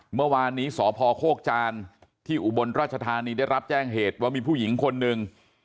เมื่อวานนี้สพโคกจานที่อุบลราชธานีได้รับแจ้งเหตุว่ามีผู้หญิงคนหนึ่ง